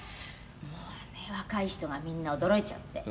「もうね若い人がみんな驚いちゃって」